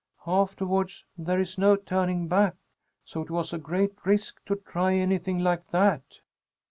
Afterwards there is no turning back, so it was a great risk to try anything like that."